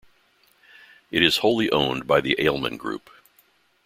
It is wholly owned by the Aleman Group.